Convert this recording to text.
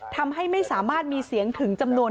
ทำให้ไม่สามารถมีเสียงถึงจำนวน